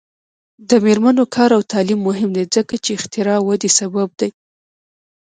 د میرمنو کار او تعلیم مهم دی ځکه چې اختراع ودې سبب دی.